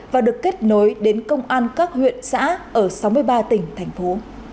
và được kết nối đến công an các huyện xã ở sáu mươi ba tỉnh thành phố